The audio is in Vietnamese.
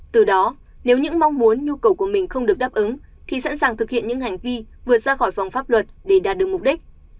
từ đó nếu những mong muốn nhu cầu của mình không được đáp ứng thì sẵn sàng thực hiện những hành vi vượt ra khỏi phòng pháp luật để đạt được mục đích